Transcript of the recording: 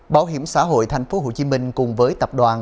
bảo hiểm xã hội tp hcm cùng với tập đoàn